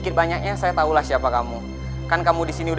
kok malah nangis sih